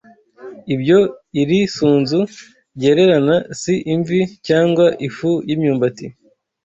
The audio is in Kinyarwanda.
Ibyo Iri sunzu ryererana si imvi cyangwa ifu y’imyumbati